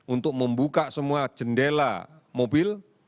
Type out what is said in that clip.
untuk membuka semua jendela mobil